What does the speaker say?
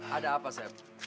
ada apa sep